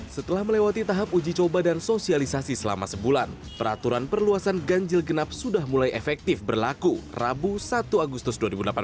setelah melewati tahap uji coba dan sosialisasi selama sebulan peraturan perluasan ganjil genap sudah mulai efektif berlaku rabu satu agustus dua ribu delapan belas